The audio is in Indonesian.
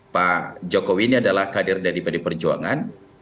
pak jokowi ini adalah kadir dari badi perjuangan